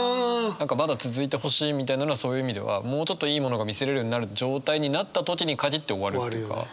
何かまだ続いてほしいみたいなのはそういう意味ではもうちょっといいものが見せれるようになる状態になった時に限って終わるというか。